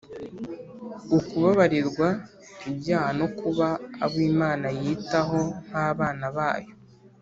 ukubabarirwa ibyaha no kuba abo Imana yitaho nk'abana bayo.